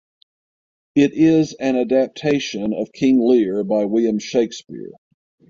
It is an adaptation of "King Lear" by William Shakespeare.